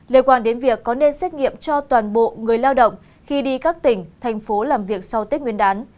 liên quan đến việc có nên xét nghiệm cho toàn bộ người lao động khi đi các tỉnh thành phố làm việc sau tết nguyên đán